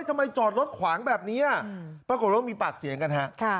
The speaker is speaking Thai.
ทำไมจอดรถขวางแบบเนี้ยปรากฏว่ามีปากเสียงกันฮะค่ะ